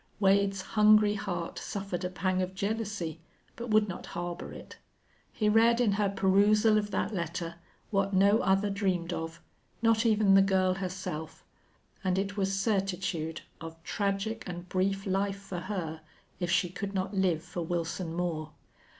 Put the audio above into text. Wade's hungry heart suffered a pang of jealousy, but would not harbor it. He read in her perusal of that letter what no other dreamed of, not even the girl herself; and it was certitude of tragic and brief life for her if she could not live for Wilson Moore.